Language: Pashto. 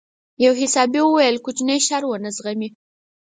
يو صحابي وويل کوچنی شر ونه زغمي.